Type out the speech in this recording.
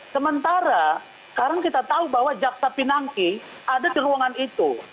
sementara sekarang kita tahu bahwa jaksa pinangki ada di ruangan itu